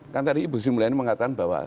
kan tadi ibu sri mulyani mengatakan bahwa